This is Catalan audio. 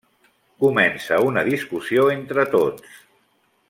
Comença una discussió entre tots.